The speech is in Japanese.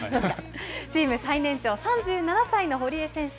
チーム最年長、３７歳の堀江選手。